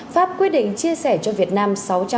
pháp quyết định chia sẻ cho việt nam